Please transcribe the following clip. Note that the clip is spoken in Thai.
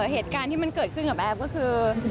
เหตุการณ์ที่มันเกิดขึ้นกับแอฟก็คือ